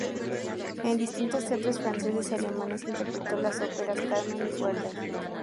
En distintos teatros franceses y alemanes interpretó las óperas "Carmen" y "Werther".